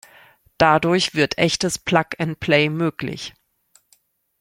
Dadurch wird echtes Plug and Play möglich.